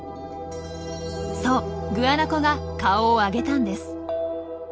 そうグアナコが顔を上げたんです。